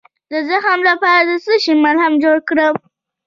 د زخم لپاره د څه شي ملهم جوړ کړم؟